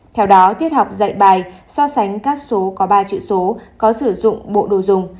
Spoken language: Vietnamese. theo đó tiết học dạy bài so sánh các số có ba chữ số có sử dụng bộ đồ dùng